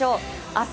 明日